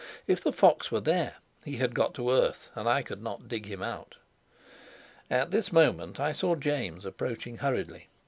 If the fox were there, he had got to earth and I could not dig him out. At this moment I saw James approaching hurriedly.